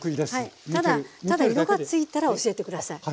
ただただ色がついたら教えて下さい。